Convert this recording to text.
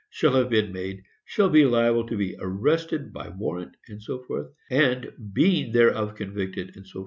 shall have been made, shall be liable to be arrested by warrant, &c. and, being thereof convicted, &c.